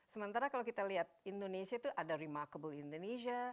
sementara kalau kita lihat indonesia itu ada remarkable indonesia